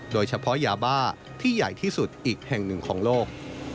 โดยเฉพาะยาบ้าที่ใหญ่ที่สุดอีกแห่งหนึ่งของโลก